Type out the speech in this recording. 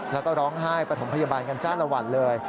แล้วก็ร้องไห้ปฐมพยาบาลกันจ้าละวันเลย